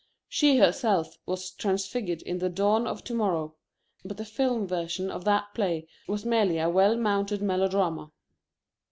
She herself was transfigured in the Dawn of Tomorrow, but the film version of that play was merely a well mounted melodrama.